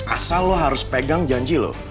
asal lo harus pegang janji lo